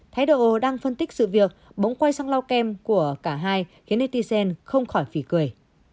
thái độ đang phân tích sự việc bóng quay sang lau kem của cả hai khiến eticen không khỏi phỉ cười